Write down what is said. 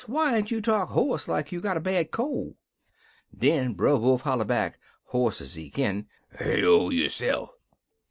why n't you talk hoarse like you got a bad col'?' "Den Brer Wolf holler back, hoarse ez he kin, 'Heyo, yo'se'f!'